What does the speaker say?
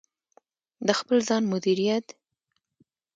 د خپل ځان مدیریت: